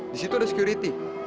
di situ ada security